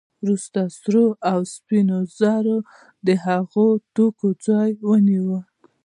وروسته سرې او سپینې زر د هغو توکو ځای ونیو